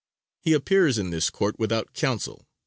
He appears in this court without counsel.